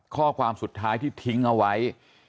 ข้อความสุดท้ายที่ทิ้งเอาไว้